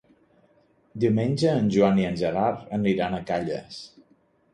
Diumenge en Joan i en Gerard aniran a Calles.